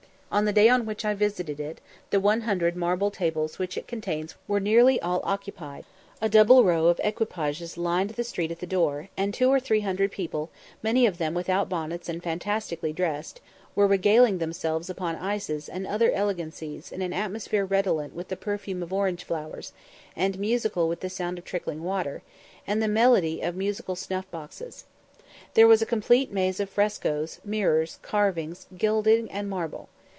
On the day on which I visited it, the one hundred marble tables which it contains were nearly all occupied; a double row of equipages lined the street at the door; and two or three hundred people, many of them without bonnets and fantastically dressed, were regaling themselves upon ices and other elegancies in an atmosphere redolent with the perfume of orange flowers, and musical with the sound of trickling water, and the melody of musical snuff boxes. There was a complete maze of fresco, mirrors, carving, gilding, and marble.